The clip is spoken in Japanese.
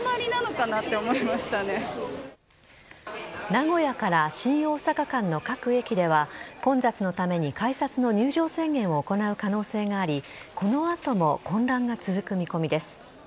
名古屋新大阪間の各駅では混雑のために、改札の入場制限を行う可能性がありこの後も混乱が続く見込みです。